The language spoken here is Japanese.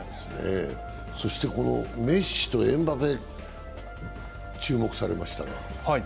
そしてこのメッシとエムバペ、注目されましたが。